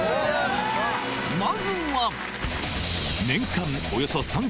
まずは！